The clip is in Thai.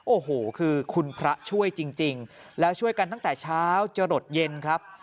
โอ้โหคือคุณพระช่วยจริงแล้วช่วยกันตั้งแต่เช้าจะหลดเย็นครับ